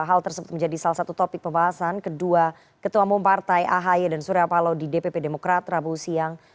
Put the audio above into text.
hal tersebut menjadi salah satu topik pembahasan kedua ketua umum partai ahi dan surya palo di dpp demokrat rabu siang